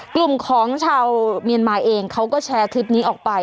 กลุ่มของชาวเมียนมาเองเขาก็แชร์คลิปนี้ออกไป